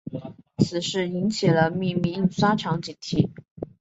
此事引起了秘密印刷厂警惕。